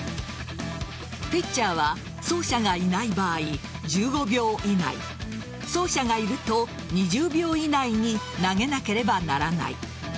ピッチャーは走者がいない場合１５秒以内走者がいると２０秒以内に投げなければならない。